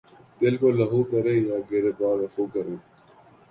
دل کو لہو کریں یا گریباں رفو کریں